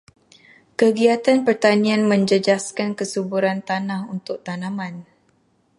Kegiatan pertanian menjejaskan kesuburan tanah untuk tanaman.